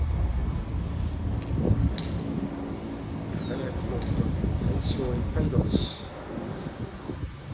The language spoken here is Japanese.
輝と水戸龍、３勝１敗同士。